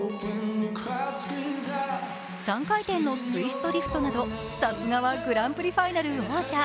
３回転のツイストリフトなどさすがはグランプリファイナル王者。